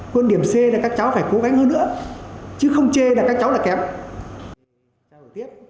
quân điểm c là các cháu phải cố gắng hơn nữa chứ không chê là các cháu là kém